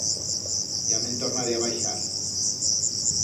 Ya me'n tornaré a baixar.